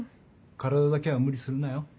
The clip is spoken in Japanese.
体だけは無理するなよ。